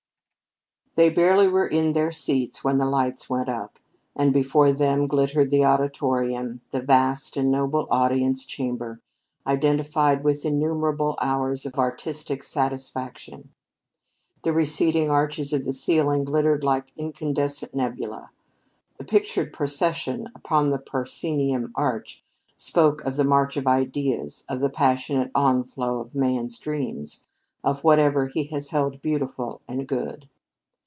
They barely were in their seats when the lights went up, and before them glittered the Auditorium, that vast and noble audience chamber identified with innumerable hours of artistic satisfaction. The receding arches of the ceiling glittered like incandescent nebulae; the pictured procession upon the proscenium arch spoke of the march of ideas of the passionate onflow of man's dreams of whatever he has held beautiful and good.